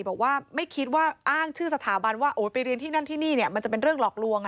บอกว่าไม่คิดว่าอ้างชื่อสถาบันว่าไปเรียนที่นั่นที่นี่มันจะเป็นเรื่องหลอกลวง